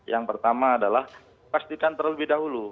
yang pertama adalah pastikan terlebih dahulu